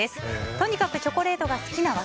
とにかくチョコレートが好きな私。